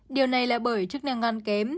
điều này là bởi chức năng gan kém